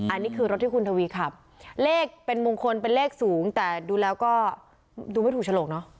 อันนี้คือรถที่คุณทวีขับเลขเป็นมงคลเป็นเลขสูงแต่ดูแล้วก็ดูไม่ถูกฉลกเนอะ